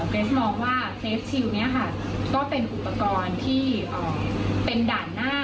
เกรสมองว่าเฟสชิลนี้ค่ะก็เป็นอุปกรณ์ที่เป็นด่านหน้า